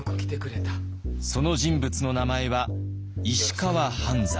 その人物の名前は石川半山。